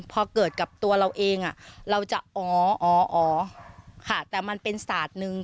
พอเกิดกับตัวเราเองเราจะอ๋ออ๋อค่ะแต่มันเป็นศาสตร์หนึ่ง